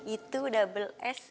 itu double s ya